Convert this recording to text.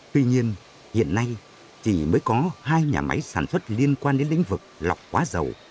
tuy nhiên hiện nay chỉ mới có hai nhà máy sản xuất liên quan đến lĩnh vực lọc hóa dầu